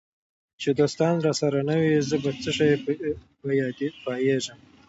چي دوستان راسره نه وي زه په څشي به پایېږم